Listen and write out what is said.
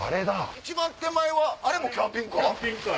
一番手前あれもキャンピングカー？